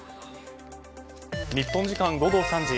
日本時間午後３時。